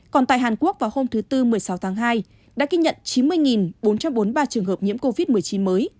còn tại hàn quốc vào hôm thứ tư một mươi sáu tháng hai đã ghi nhận chín mươi bốn trăm bốn mươi ba trường hợp nhiễm covid một mươi chín mới